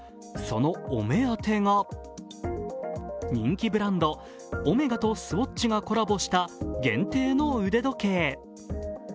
そのお目当てが、人気ブランドオメガとスウォッチがコラボした限定の腕時計。